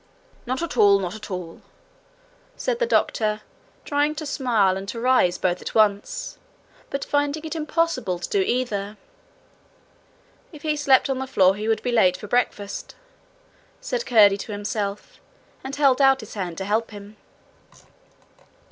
'Not at all, not at all,' said the doctor, trying to smile and to rise both at once, but finding it impossible to do either. 'If he slept on the floor he would be late for breakfast,' said Curdie to himself, and held out his hand to help him.